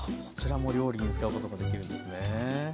こちらも料理に使うことができるんですね。